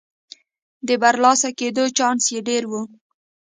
د برلاسه کېدو چانس یې ډېر و.